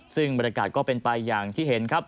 ซึ่งบรรยากาศก็เป็นไปอย่างที่เห็นครับ